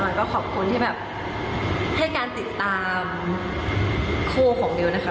ก็ขอบคุณที่แบบให้การติดตามคู่ของเบลนะคะ